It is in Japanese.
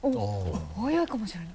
速いかもしれない。